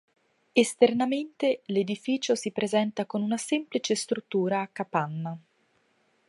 Esternamente, l'edificio si presenta con una semplice struttura a capanna.